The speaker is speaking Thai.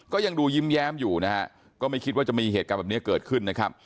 ก็ยังดูยิ้มแย้มอยู่นะฮะก็ไม่คิดว่าจะมีเหตุการณ์แบบนี้เกิดขึ้นนะครับ